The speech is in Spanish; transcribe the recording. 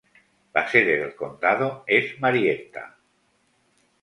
La sede del condado es Marietta.